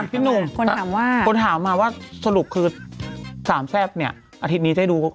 พี่หนุ่มคนถามว่าสรุปคือ๓แทรฟเนี่ยอาทิตย์นี้จะได้ดู